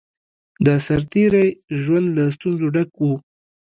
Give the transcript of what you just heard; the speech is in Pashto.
د سرتېری ژوند له ستونزو ډک وو